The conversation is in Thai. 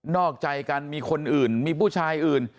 อกใจกันมีคนอื่นมีผู้ชายอื่น